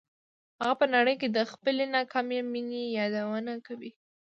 هغه په نړۍ کې د خپلې ناکامې مینې یادونه کوي